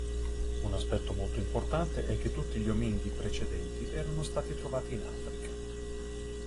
Un aspetto molto importante è che tutti gli ominidi precedenti erano stati trovati in Africa.